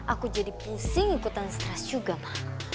aku jadi pusing ikutan stress juga ma